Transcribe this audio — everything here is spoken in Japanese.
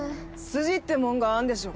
筋ってもんがあんでしょ。